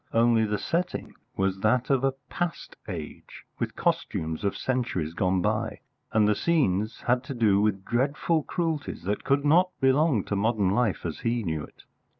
Only the setting was that of a past age, with costumes of centuries gone by, and the scenes had to do with dreadful cruelties that could not belong to modern life as he knew it.